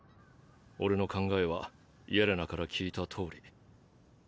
俺の考えはイェレナから聞いたとおり。